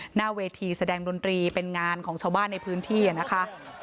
หน้าเวทีแสดงดนตรีเป็นงานของชาวบ้านในพื้นที่นะคะ